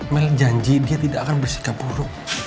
mel janji dia tidak akan bersikap buruk